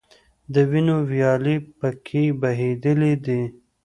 د وینو ویالې په کې بهیدلي دي.